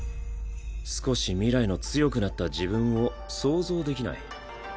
少し未来の強くなった自分を想像できない。